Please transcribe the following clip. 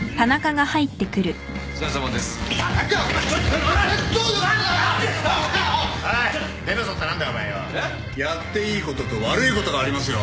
やっていいことと悪いことがありますよ。